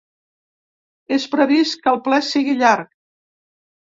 És previst que el ple sigui llarg.